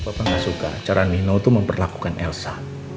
pak pak gak suka cara nino tuh memperlakukan elsa